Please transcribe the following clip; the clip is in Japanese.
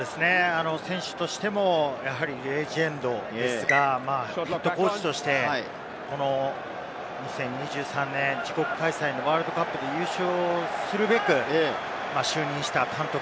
選手としてもやはりレジェンドですが、ＨＣとして２０２３年自国開催のワールドカップで優勝するべく就任した監督。